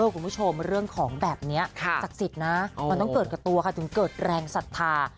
คุณผู้ชมเรื่องของแบบนี้ศักดิ์สิทธิ์นะมันต้องเกิดกับตัวค่ะถึงเกิดแรงศรัทธา